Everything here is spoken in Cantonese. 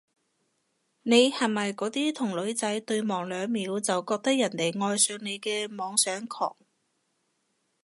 你係咪嗰啲同女仔對望兩秒就覺得人哋愛上你嘅妄想狂？